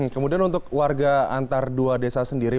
kemudian untuk warga antar dua desa sendiri